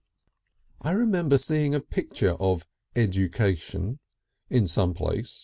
I remember seeing a picture of Education in some place.